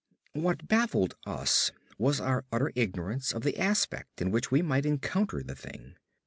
What baffled us was our utter ignorance of the aspect in which we might encounter the thing.